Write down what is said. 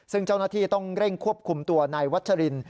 ซึ่งเจ้าหน้าที่ต้องเร่งควบคุมตัวนายวัชริน